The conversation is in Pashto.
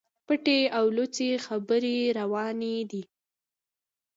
پټي او لڅي خبري رواني دي.